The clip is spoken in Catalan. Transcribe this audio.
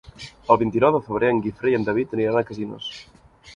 El vint-i-nou de febrer en Guifré i en David aniran a Casinos.